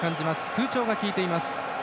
空調がきいています。